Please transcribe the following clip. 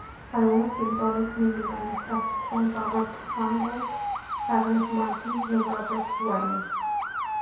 Algunos pintores minimalistas son Robert Mangold, Agnes Martin y Robert Ryman.